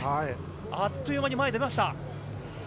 あっという間に前に出ました。